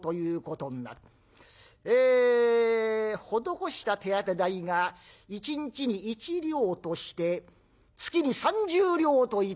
ええ施した手当て代が一日に１両として月に３０両といたそう。